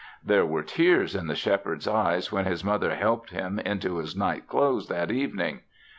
There were tears in the Shepherd's eyes when his mother helped him into his night clothes that evening.